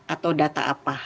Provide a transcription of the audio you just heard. atau data apa